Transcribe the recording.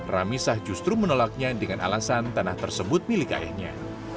ramisah justru menolaknya dengan alasan tanah tersebut milik ayahnya